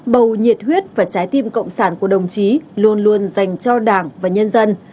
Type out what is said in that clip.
bầu nhiệt huyết và trái tim cộng sản của đồng chí luôn luôn dành cho đảng và nhân dân